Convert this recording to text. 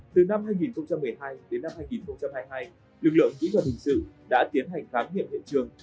từ năm hai nghìn một mươi hai đến năm hai nghìn hai mươi hai lực lượng kỹ thuật hình sự đã tiến hành khám nghiệm hiện trường